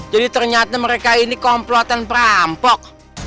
jadi ternyata mereka ini komplotan perampok